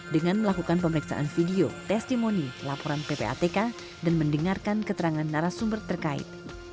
dengan melakukan pemeriksaan video testimoni laporan ppatk dan mendengarkan keterangan narasumber terkait